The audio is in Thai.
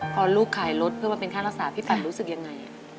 พอลูกขายรถเพื่อมาเป็นค่ารักษาพี่ปันรู้สึกยังไง